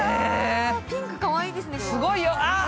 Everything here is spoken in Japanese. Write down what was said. ピンク、かわいいですね。